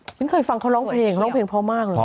ฉันเคยฟังเขาน่าวเพลงเขาเล่นเพลงพ่อมากเลย